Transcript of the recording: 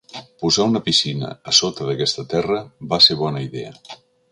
Posar una piscina a sota d'aquest terra va ser bona idea.